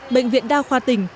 bệnh viện đa khoa tỉnh